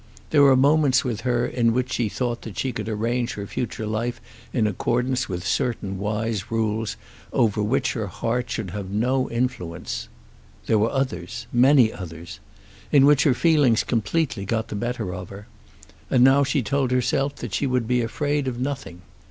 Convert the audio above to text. There were moments with her in which she thought that she could arrange her future life in accordance with certain wise rules over which her heart should have no influence. There were others, many others, in which her feelings completely got the better of her. And now she told herself that she would be afraid of nothing.